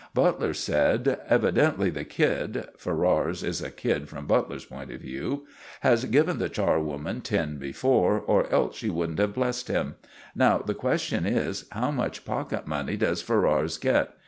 Butler said: "Evidently the kid" (Ferrars is a kid from Butler's point of view) "has given the charwoman tin before, or else she wouldn't have blessed him. Now the question is, How much pocket money does Ferrars get?"